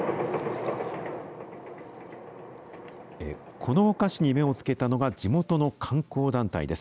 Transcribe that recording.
このお菓子に目をつけたのが地元の観光団体です。